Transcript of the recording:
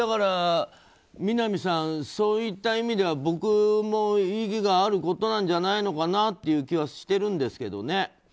南さん、そういった意味では僕も意義があることじゃないのかなという気はしているんですけどね。